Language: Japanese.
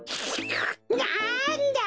なんだ！